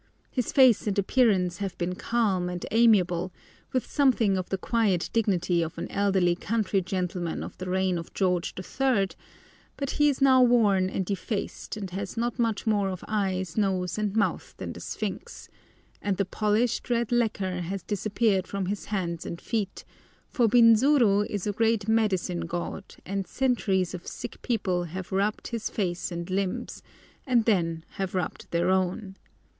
His face and appearance have been calm and amiable, with something of the quiet dignity of an elderly country gentleman of the reign of George III.; but he is now worn and defaced, and has not much more of eyes, nose, and mouth than the Sphinx; and the polished, red lacquer has disappeared from his hands and feet, for Binzuru is a great medicine god, and centuries of sick people have rubbed his face and limbs, and then have rubbed their own.